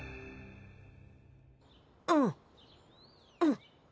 うんうん。